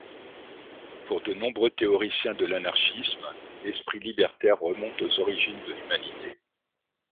Pour de nombreux théoriciens de l'anarchisme, l'esprit libertaire remonte aux origines de l'humanité.